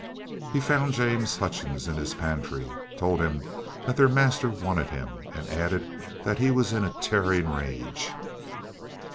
He found James Hutchings in his pantry, told him that their master wanted him, and added that he was in a tearing rage.